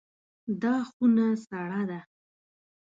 دا خونه سړه ده.